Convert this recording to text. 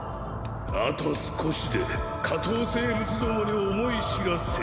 あと少しで下等生物どもに思い知らせる。